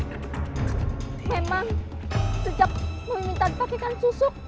memang sejak meminta dipakaikan susuk